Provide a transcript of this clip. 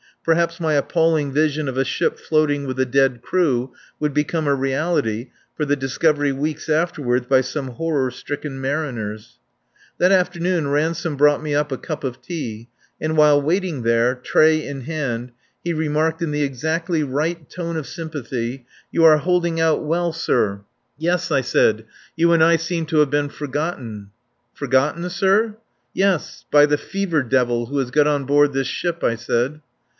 Perhaps my appalling vision of a ship floating with a dead crew would become a reality for the discovery weeks afterward by some horror stricken mariners. That afternoon Ransome brought me up a cup of tea, and while waiting there, tray in hand, he remarked in the exactly right tone of sympathy: "You are holding out well, sir." "Yes," I said. "You and I seem to have been forgotten." "Forgotten, sir?" "Yes, by the fever devil who has got on board this ship," I said.